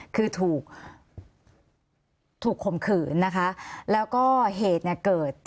คือถูกข่มขืนนะคะแล้วก็เหตุเกิด